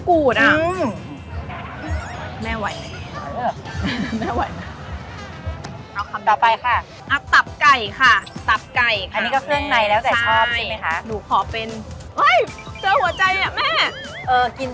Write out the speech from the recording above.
อื้อต่างกันตรงที่ว่าเรื่องในมันจะมีความกึบใช่ไหม